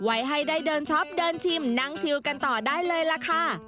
ไว้ให้ได้เดินช็อปเดินชิมนั่งชิวกันต่อได้เลยล่ะค่ะ